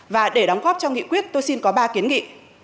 và để đóng góp cho nghị quyết tôi xin có ba kiến nghị